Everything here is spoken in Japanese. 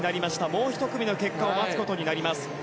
もう１組の結果を待つことになります。